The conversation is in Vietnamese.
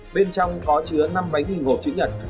bên trong có chứa năm máy hình hộp chữ nhật